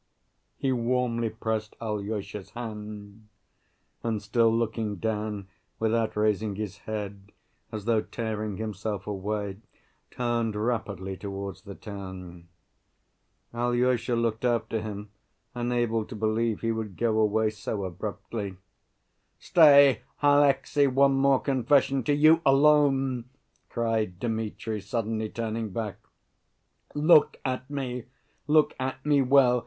He warmly pressed Alyosha's hand, and still looking down, without raising his head, as though tearing himself away, turned rapidly towards the town. Alyosha looked after him, unable to believe he would go away so abruptly. "Stay, Alexey, one more confession to you alone!" cried Dmitri, suddenly turning back. "Look at me. Look at me well.